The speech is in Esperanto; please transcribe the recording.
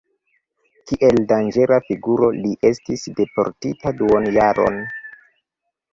Kiel danĝera figuro li estis deportita duonjaron.